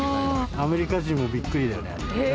アメリカ人もびっくりだよね。